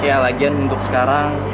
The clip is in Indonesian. ya lagian untuk sekarang